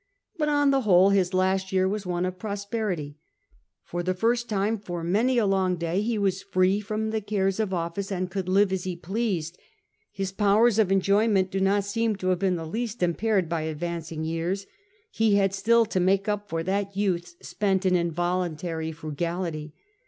But on the whole his last year was one of prosperity; for the first time for many a long day he was free from the cares of office and i6o SULLA could live as lie pleased. His powers of enjoyment do not seem to have been the least impaired by advancing years : he had still to make up for that youth spent in involuntary frugality.